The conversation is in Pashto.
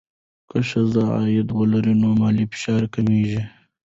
که ښځه عاید ولري، نو مالي فشار کمېږي.